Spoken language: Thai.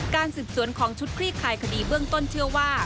การสืบสวนของชุดคลี่คลายคดีเบื้องต้นเชื่อว่า